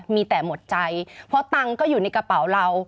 มีแต่หมดใจเพราะตังค์ก็อยู่ในกระเป๋าเรา